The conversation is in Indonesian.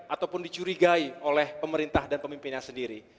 ataupun dicurigai oleh pemerintah dan pemimpinnya sendiri